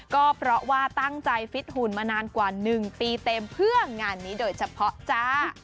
ก็เพราะว่าตั้งใจฟิตหุ่นมานานกว่า๑ปีเต็มเพื่องานนี้โดยเฉพาะจ้า